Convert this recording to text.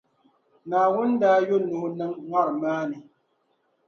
Naawuni daa yo Nuhu niŋ ŋariŋ maa ni.